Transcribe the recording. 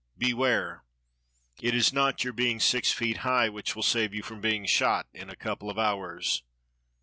Beware! It is not your being six feet high which will save you from being shot in a couple of hours."